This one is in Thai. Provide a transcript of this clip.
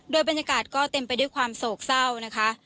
โดยบรรยากาศก็เต็มไปด้วยความโศกเศร้านะคะ